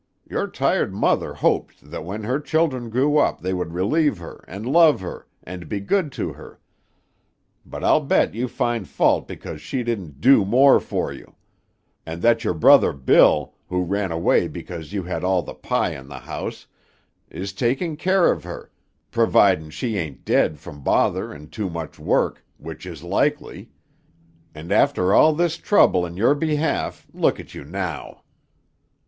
Your tired mother hoped that when her children grew up they would relieve her, and love her, and be good to her; but I'll bet you find fault because she didn't 'do' more for you; and that your brother Bill, who ran away because you had all the pie in the house, is taking care of her, providin' she aint dead from bother and too much work, which is likely. And after all this trouble in your behalf, look at you now!"